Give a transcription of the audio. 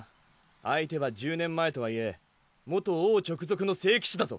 相手は１０年前とはいえ元王直属の聖騎士だぞ。